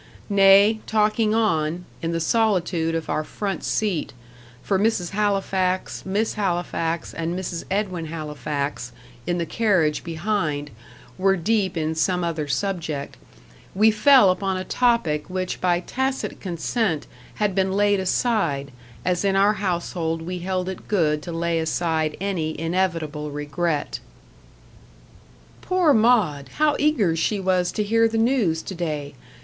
Nay, talking on, in the solitude of our front seat for Mrs. Halifax, Miss Halifax, and Mrs. Edwin Halifax, in the carriage behind, were deep in some other subject we fell upon a topic which by tacit consent had been laid aside, as in our household we held it good to lay aside any inevitable regret. "Poor Maud! how eager she was to hear the news to day.